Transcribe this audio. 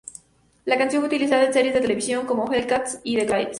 La canción fue utilizada en series de televisión como "Hellcats" y "The Glades".